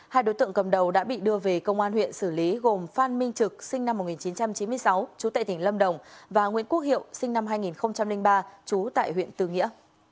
hai đối tượng cầm đầu đã bị đưa về công an huyện xử lý gồm phan minh trực sinh năm một nghìn chín trăm chín mươi sáu chú tại tỉnh lâm đồng và nguyễn quốc hiệu sinh năm hai nghìn ba trú tại huyện tư nghĩa